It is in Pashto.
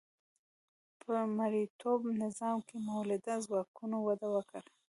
په مرئیتوب نظام کې مؤلده ځواکونو وده وکړه.